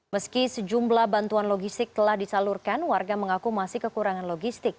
meski sejumlah bantuan logistik telah disalurkan warga mengaku masih kekurangan logistik